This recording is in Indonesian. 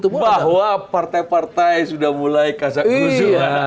bahwa partai partai sudah mulai kasak kerusuhan